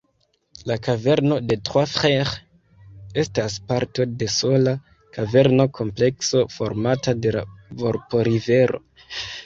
La Kaverno de Trois-Freres estas parto de sola kaverno-komplekso formata de la Volp-rivero.